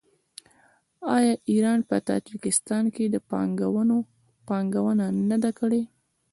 آیا ایران په تاجکستان کې پانګونه نه ده کړې؟